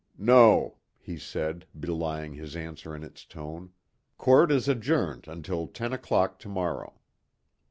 "No," he said, belying his answer in its tone, "court is adjourned until ten o'clock tomorrow."